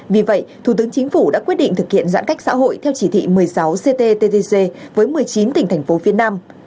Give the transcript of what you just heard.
vì vậy thủ tướng chính phủ đã quyết định thực hiện giãn cách xã hội theo chỉ thị một mươi sáu cttg với một mươi chín tỉnh thành phố phía nam